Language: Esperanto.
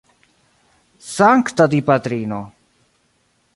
Sankta Dipatrino!